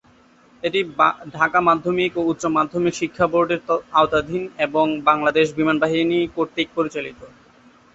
এটি ঢাকা মাধ্যমিক ও উচ্চমাধ্যমিক শিক্ষা বোর্ড-এর আওতাধীন এবং বাংলাদেশ বিমানবাহিনী কর্তৃক পরিচালিত।